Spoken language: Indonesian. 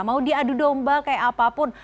mau diadu domba kayak apapun